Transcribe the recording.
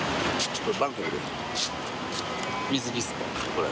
これ。